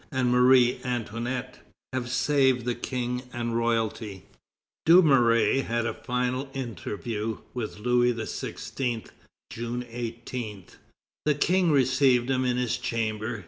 and Marie Antoinette, have saved the King and royalty. Dumouriez had a final interview with Louis XVI., June 18. The King received him in his chamber.